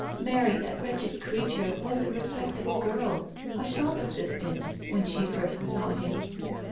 Mary, that wretched crea ture wasarespectable girl a shop assistant when she first saw him.